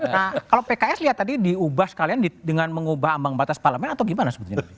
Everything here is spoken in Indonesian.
nah kalau pks lihat tadi diubah sekalian dengan mengubah ambang batas parlemen atau gimana sebetulnya